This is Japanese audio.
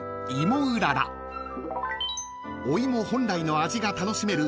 ［お芋本来の味が楽しめる